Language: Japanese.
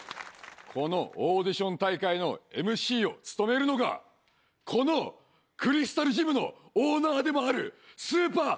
このオーディション大会のＭＣを務めるのがこのクリスタルジムのオーナーでもあるスーパー